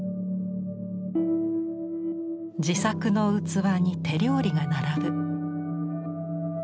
自作の器に手料理が並ぶ。